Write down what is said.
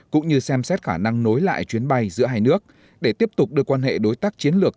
cũng như xem xét khả năng nối lại chuyến bay giữa hai nước để tiếp tục đưa quan hệ đối tác chiến lược